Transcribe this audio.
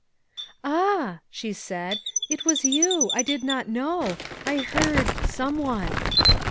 "Ah," she said, " it was you. I did not know. I heard someone.